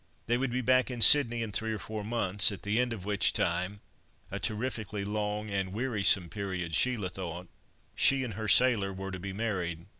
They would be back in Sydney in three or four months, at the end of which time—a terrifically long and wearisome period Sheila thought—she and her sailor were to be married.